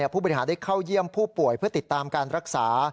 ผู้บริหารได้เข้าเยี่ยมผู้ป่วยเพื่อติดตามการรักษา